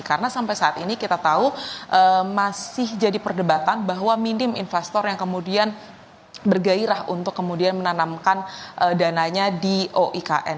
karena sampai saat ini kita tahu masih jadi perdebatan bahwa minim investor yang kemudian bergairah untuk kemudian menanamkan dananya di oikn